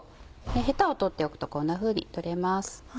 ヘタを取っておくとこんなふうに取れます。